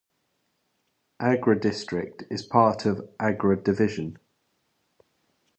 Agra district is a part of Agra division.